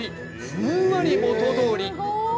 ふんわり元どおり。